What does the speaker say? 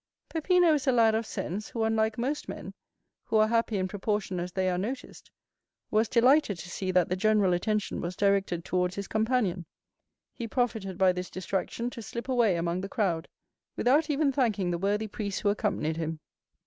"Peppino is a lad of sense, who, unlike most men, who are happy in proportion as they are noticed, was delighted to see that the general attention was directed towards his companion. He profited by this distraction to slip away among the crowd, without even thanking the worthy priests who accompanied him.